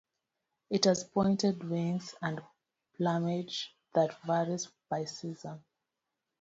It has pointed wings and plumage that varies by season.